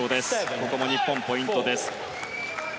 ここも日本のポイントです。